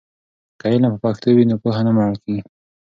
که علم په پښتو وي نو پوهه نه مړکېږي.